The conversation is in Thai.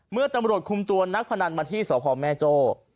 เมื่อตำรวจคุมตัวนักพนันมาที่สพแม่โจ้